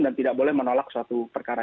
dan tidak boleh menolak suatu perkara